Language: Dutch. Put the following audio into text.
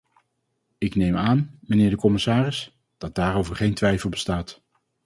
Ik neem aan, mijnheer de commissaris, dat daarover geen twijfel bestaat.